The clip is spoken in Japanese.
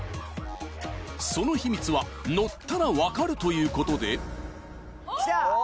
その秘密は乗ったら分かるということでお！